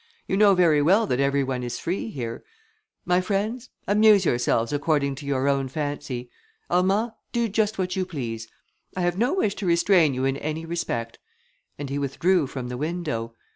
You know very well that every one is free here. My friends, amuse yourselves according to your own fancy. Armand, do just what you please. I have no wish to restrain you in any respect," and he withdrew from the window.